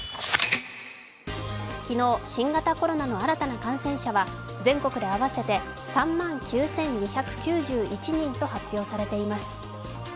昨日、新型コロナの新たな感染者は全国で合わせて３万９２９１人と発表されています。